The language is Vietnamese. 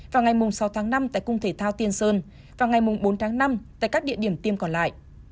vào ngày mùng sáu tháng năm tại cung thể thao tiên sơn và ngày mùng bốn tháng năm tại các địa điểm tiêm còn lại